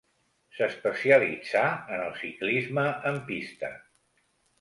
S'especialitzà en el ciclisme en pista.